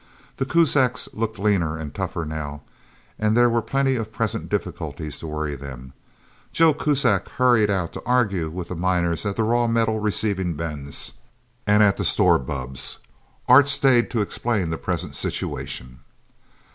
The Kuzaks looked leaner and tougher, now, and there were plenty of present difficulties to worry them. Joe Kuzak hurried out to argue with the miners at the raw metal receiving bins and at the store bubbs. Art stayed to explain the present situation.